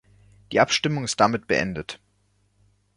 Die Abstimmung ist damit beendet.